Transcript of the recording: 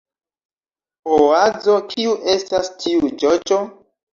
Oazo: "Kiu estas tiu ĝoĝo?"